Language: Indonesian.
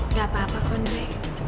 nggak apa apa konvei